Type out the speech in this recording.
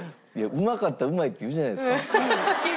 うまかったらうまいって言うじゃないですか。